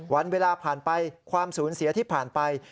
วันเวลาผ่านไปความสูญเสียที่ผ่านไป